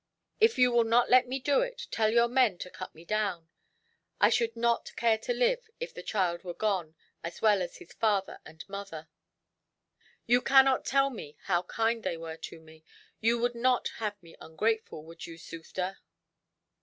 If you will not let me do it, tell your men to cut me down. I should not care to live, if the child were gone as well as his father and mother. You cannot tell how kind they were to me. You would not have me ungrateful, would you, Sufder?"